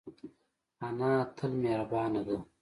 انا تل مهربانه ده